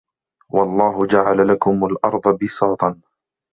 وَاللَّهُ جَعَلَ لَكُمُ الأَرضَ بِساطًا